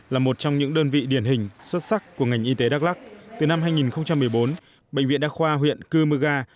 là một trong những đơn vị điển hình xuất sắc của ngành y tế đắk lắc từ năm hai nghìn một mươi bốn bệnh viện đa khoa huyện cư mơ ga